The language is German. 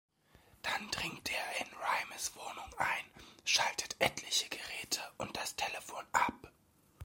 Dann dringt er in Rhymes Wohnung ein, schaltet etliche Geräte und das Telefon ab.